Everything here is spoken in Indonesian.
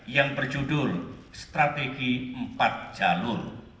yang berjudul strategi empat jalur